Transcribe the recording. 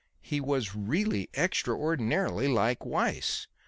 He was really extraordinarily like Weiss.